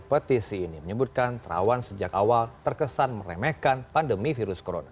petisi ini menyebutkan terawan sejak awal terkesan meremehkan pandemi virus corona